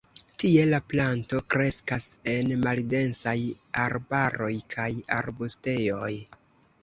Tie la planto kreskas en maldensaj arbaroj kaj arbustejoj.